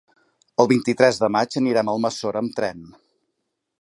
El vint-i-tres de maig anirem a Almassora amb tren.